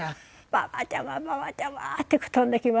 「ババちゃまババちゃま！」って飛んできましてね